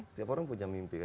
setiap orang punya mimpi